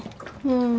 うん。